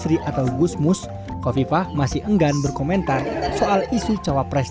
pe kimia menunggumu kurima yang kemudian terkembang ke affinka menunjukkan dengan barisan